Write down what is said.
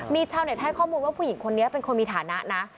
มีชาวเน็ตให้ข้อมูลว่าผู้หญิงคนนี้เป็นคนมีฐานะนะ